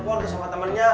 lepon terus sama temennya